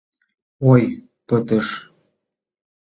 Ой, пытыш!